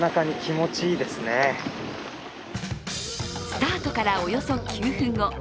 スタートからおよそ９分後